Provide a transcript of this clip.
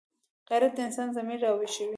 غیرت د انسان ضمیر راویښوي